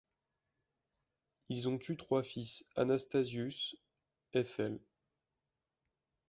Ils ont eu trois fils: Anastasius, fl.